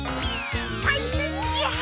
たいへんじゃ。